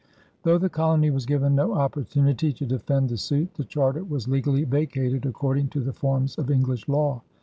Though the colony was given no opportunity to defend the suit, the charter was legally vacated according to the forms of English law.